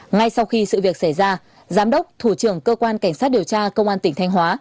ngay sau khi sự việc xảy ra giám đốc thủ trưởng cơ quan cảnh sát điều tra công an tỉnh thanh hóa